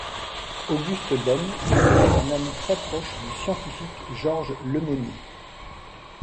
Auguste Daum était un ami très proche du scientifique Georges Le Monnier.